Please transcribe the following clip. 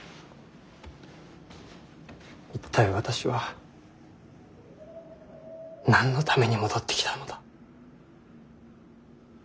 一体私は何のために戻ってきたのだ。